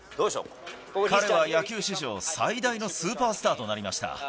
彼は野球史上、最大のスーパースターとなりました。